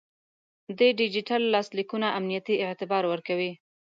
د ډیجیټل لاسلیکونه امنیتي اعتبار ورکوي.